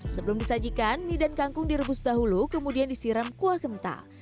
sebelum disajikan mie dan kangkung direbus dahulu kemudian disiram kuah kental